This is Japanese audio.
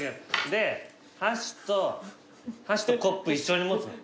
で箸と箸とコップ一緒に持つの。